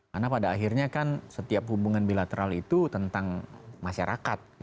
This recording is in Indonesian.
karena pada akhirnya kan setiap hubungan bilateral itu tentang masyarakat